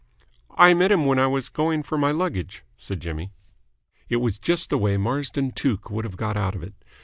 "I met him when I was going for my luggage," said Jimmy. It was just the way Marsden Tuke would have got out of it.